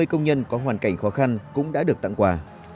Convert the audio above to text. ba mươi công nhân có hoàn cảnh khó khăn cũng đã được tặng quà